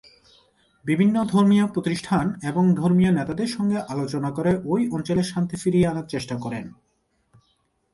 বিভিন্ন ধর্মীয় প্রতিষ্ঠান এবং ধর্মীয় নেতাদের সঙ্গে আলোচনা করে ওই অঞ্চলে শান্তি ফিরিয়ে আনার চেষ্টা করেন।